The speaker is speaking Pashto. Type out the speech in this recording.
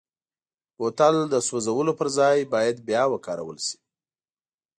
بوتل د سوزولو پر ځای باید بیا وکارول شي.